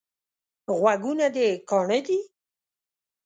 غوږونه دي کاڼه دي؟